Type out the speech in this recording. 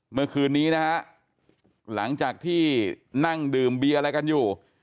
เมื่อคืนนี้นะฮะหลังจากที่นั่งดื่มเบียร์อะไรกันอยู่